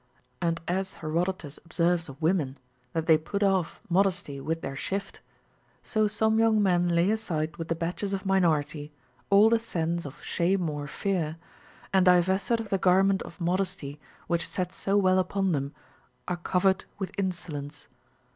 And as Herodotus observes of women, that, they put off modesty with their shift,* so some young men lay aside with the badges of minority all the sense of shame or fear, and divested of the garment of modesty which sat so well upon them are covered with insolence.